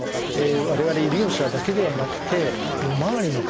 我々医療者だけではなくて周りの方